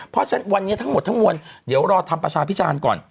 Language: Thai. เพราะฉะนั้นวันนี้ทั้งหมดทั้งมวลเดี๋ยวรอทำประชาพิจารณ์ก่อน